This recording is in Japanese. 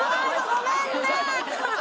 ごめんね！